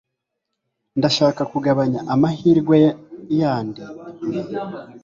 Ndashaka kugabanya amahirwe yandi mpanuka.